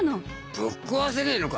ぶっ壊せねえのか？